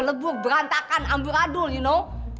lebur berantakan amburadul you know